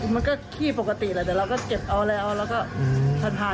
มันก็ขี้ปกติแหละ